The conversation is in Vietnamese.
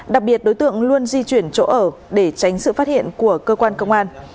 đặc biệt đối tượng luôn di chuyển chỗ ở để tránh sự phát hiện của cơ quan công an